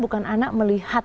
bukan anak melihat